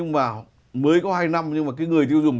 vào mới có hai năm nhưng mà cái người tiêu dùng